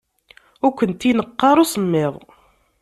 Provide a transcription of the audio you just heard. Ur kent-ineɣɣ ara usemmiḍ.